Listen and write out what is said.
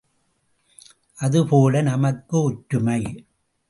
அதுபோல, நமக்கு ஒற்றுமை.